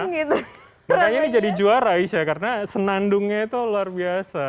makanya ini jadi juara aisyah karena senandungnya itu luar biasa